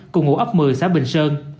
cùng ngũ ấp một mươi xã bình sơn